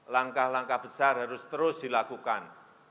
langkah langkah besar harus terus dilakukan